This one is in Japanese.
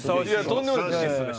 とんでもないです。